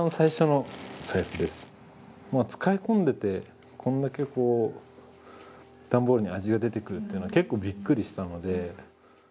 もう使い込んでてこんだけこう段ボールに味が出てくるっていうのは結構びっくりしたので。